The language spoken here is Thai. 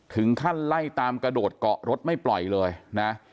ถึงขั้นไล่ตามกระโดดเกาะรถไม่ปล่อยเลยนะ